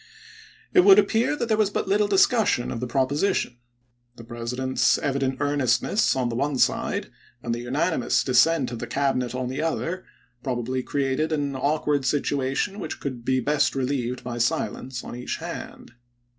It would appear that there was but little discus sion of the proposition. The President's evident earnestness on the one side, and the unanimous dis sent of the Cabinet on the other, probably created an awkward situation which could be best relieved by silence on each hand.